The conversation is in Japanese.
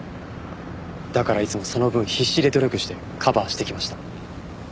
だからいつもその分必死で努力してカバーしてきました。